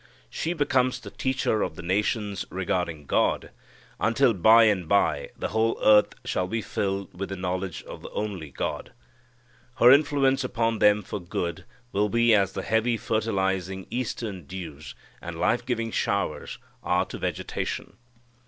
She becomes the teacher of the nations regarding God, until by and by the whole earth shall be filled with the knowledge of the only God. Her influence upon them for good will be as the heavy fertilizing eastern dews and the life giving showers are to vegetation.